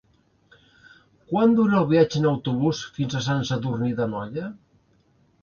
Quant dura el viatge en autobús fins a Sant Sadurní d'Anoia?